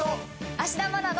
芦田愛菜の。